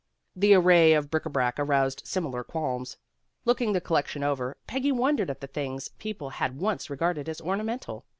The array of bric a brac aroused similar qualms. Looking the collection over, Peggy wondered at the things people had once re garded as ornamental.